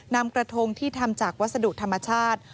นำกระทงที่ทำจากวัสดุธรรมชาติ